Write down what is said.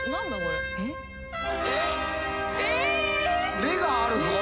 「れ」があるぞ！